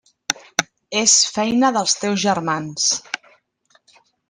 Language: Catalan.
És feina dels teus germans.